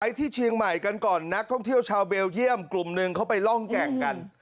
ที่เชียงใหม่กันก่อนนักท่องเที่ยวชาวเบลเยี่ยมกลุ่มหนึ่งเขาไปร่องแก่งกัน